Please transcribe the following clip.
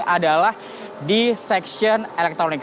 adalah di seksion elektronik